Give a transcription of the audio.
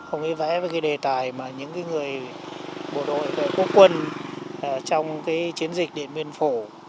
ông ấy vẽ về cái đề tài mà những người bộ đội quốc quân trong cái chiến dịch điện biên phổ